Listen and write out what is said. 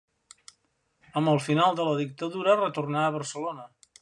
Amb el final de la dictadura retornà a Barcelona.